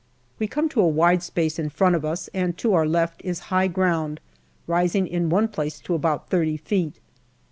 We come to a wide space in front of us, and to our left is high ground, rising in one place to about 30 feet.